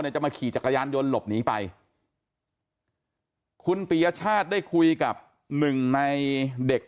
จะมาขี่จักรยานยนต์หลบหนีไปคุณปียชาติได้คุยกับหนึ่งในเด็ก